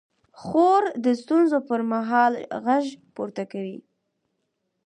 خور د ستونزو پر مهال غږ پورته کوي.